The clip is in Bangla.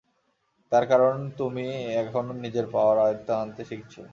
তার কারণ তুমি এখনও নিজের পাওয়ার আয়ত্বে আনতে শিখছো।